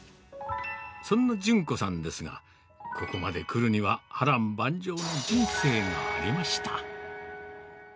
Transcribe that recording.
そんな順子さんですが、ここまで来るには波乱万丈の人生がありました。